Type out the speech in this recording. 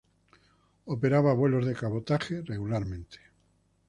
Operaba vuelos de cabotaje regularmente.